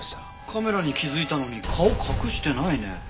カメラに気づいたのに顔隠してないね。